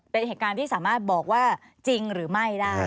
เป็นเหตุการณ์ที่สามารถบอกว่าจริงหรือไม่ได้